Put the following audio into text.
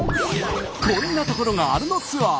こんなところがあるのツアー。